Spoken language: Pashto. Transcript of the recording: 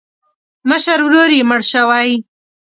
مشر ورور یې مړ شوی.